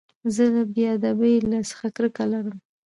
زه له بېادبۍ څخه کرکه لرم.